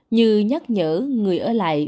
như nhắc nhở người ở lại